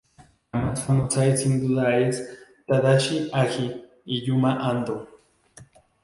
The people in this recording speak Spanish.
La más famosa es sin duda es Tadashi Agi y Yuma Ando.